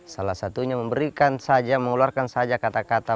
salah satunya mengeluarkan saja kata kata